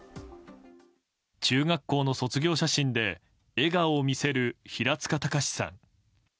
中学校の卒業写真で笑顔を見せる、平塚崇さん。